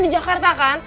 di jakarta kan